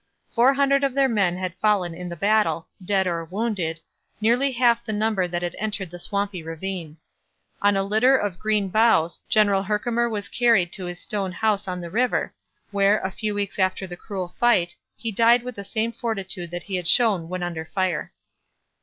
Four hundred of their men had fallen in the battle, dead or wounded, nearly half the number that had entered the swampy ravine. On a litter of green boughs General Herkimer was carried to his stone house on the river, where, a few weeks after the cruel fight, he died with the same fortitude that he had shown when under fire.